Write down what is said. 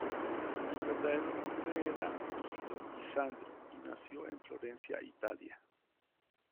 Su verdadero nombre era Guido Di Sandro, y nació en Florencia, Italia.